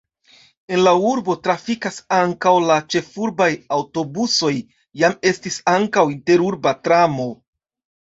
En la urbo trafikas ankaŭ la ĉefurbaj aŭtobusoj, iam estis ankaŭ interurba tramo.